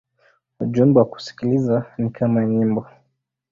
Ujumbe wa kusikiliza ni kama nyimbo.